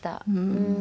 うん。